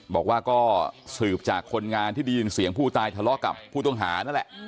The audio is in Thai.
บอกว่าก็สืบจากคนงานที่ได้ยินเสียงผู้ตายทะเลาะกับผู้ต้องหานั่นแหละ